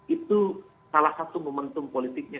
itu salah satu momentum politiknya